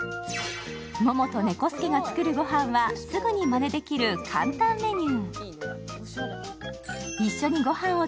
モモとネコ助が作る御飯はすぐにまねできる簡単メニュー。